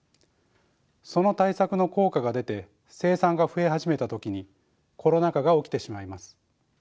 その対策の効果が出て生産が増え始めた時にコロナ禍が起きてしまいます。